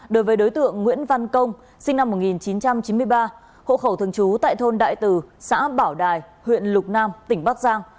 đối với đối tượng nguyễn văn công sinh năm một nghìn chín trăm chín mươi ba hộ khẩu thường trú tại thôn đại tử xã bảo đài huyện lục nam tỉnh bắc giang